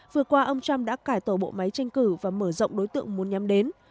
vừa qua ông trump đã cải tổ bộ máy tranh cử và mở rộng đối tượng muốn nhắm đến